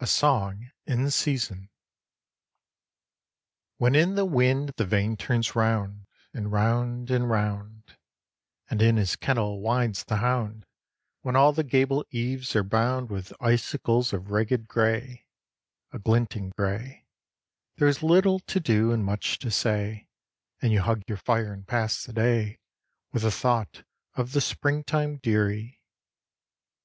A SONG IN SEASON I. When in the wind the vane turns round, And round, and round; And in his kennel whines the hound; When all the gable eaves are bound With icicles of ragged gray, A glinting gray; There is little to do, and much to say, And you hug your fire and pass the day With a thought of the springtime, dearie.